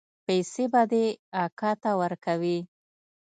پيسې به دې اکا ته ورکوې.